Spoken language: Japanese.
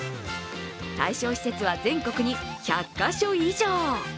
対象施設は全国に１００か所以上。